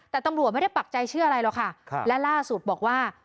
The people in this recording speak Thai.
แต่ตำรวจไม่ได้ปักใจเชื่ออะไรหรอกค่ะและล่าสุดบอกว่า